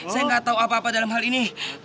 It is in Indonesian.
saya nggak tahu apa apa dalam hal ini